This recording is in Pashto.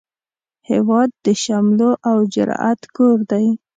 هیواد د شملو او جرئت کور دی